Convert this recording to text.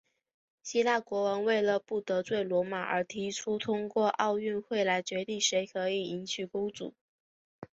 希腊国王为了不得罪罗马而提出通过奥运会来决定谁可以迎娶公主。